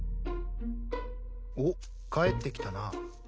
おっ帰ってきたな。